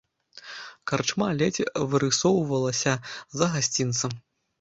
Карчма ледзь вырысоўвалася за гасцінцам.